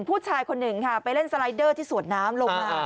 ผู้ชายคนหนึ่งค่ะไปเล่นสไลเดอร์ที่สวนน้ำลงมา